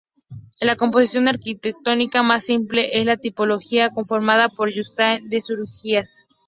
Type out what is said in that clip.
La composición arquitectónica más simple es la tipología conformada por yuxtaposición de crujías.